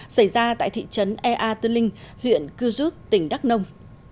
xảy ra tại thị trấn ea tư linh huyện cư rút tỉnh đắk nông